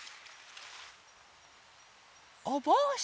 おぼうし！